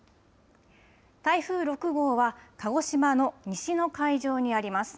台風６号は鹿児島の西の海上にあります。